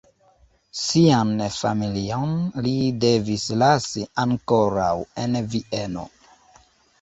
Sian familion li devis lasi ankoraŭ en Vieno.